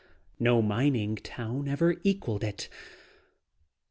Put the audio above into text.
No mining camp ever equalled it.